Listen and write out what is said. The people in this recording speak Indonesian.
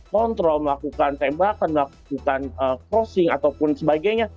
kontrol melakukan tembakan melakukan crossing ataupun sebagainya